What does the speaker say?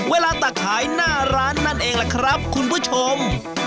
ตักขายหน้าร้านนั่นเองล่ะครับคุณผู้ชม